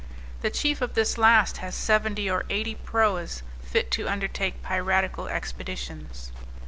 The chief of this last has seventy or eighty proas fit to undertake piratical expeditions.